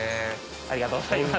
ありがとうございます。